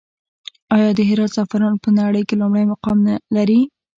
آیا د هرات زعفران په نړۍ کې لومړی مقام لري؟